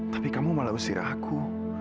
tapi kamu malah besirah aku